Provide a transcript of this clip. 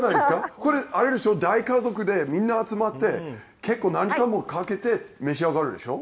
これ、大家族でみんな集まって、結構、何時間もかけて召し上がるでしょ。